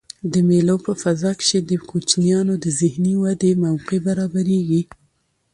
د مېلو په فضا کښي د کوچنيانو د ذهني ودي موقع برابریږي.